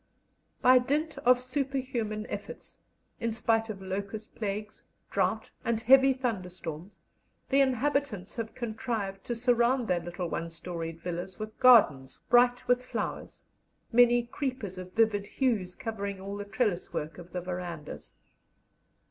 By dint of superhuman efforts, in spite of locust plagues, drought, and heavy thunderstorms, the inhabitants have contrived to surround their little one storied villas with gardens bright with flowers, many creepers of vivid hues covering all the trellis work of the verandahs.